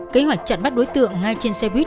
kế hoạch chặn bắt đối tượng ngay trên xe buýt